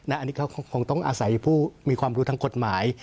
อันนี้เขาคงต้องอาศัยผู้มีความรู้ทางกฎหมาย